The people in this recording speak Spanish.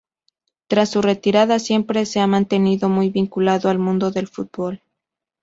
Tras su retirada siempre se ha mantenido muy vinculado al mundo del fútbol.